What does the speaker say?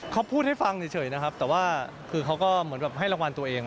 เขาพูดให้ฟังเฉยนะครับแต่ว่าคือเขาก็เหมือนแบบให้รางวัลตัวเอง